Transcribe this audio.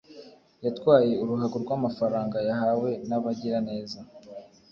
yatwaye uruhago rw’ amafaranga yahawe n’ abagiraneza